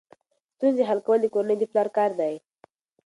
ستونزې حل کول د کورنۍ د پلار کار دی.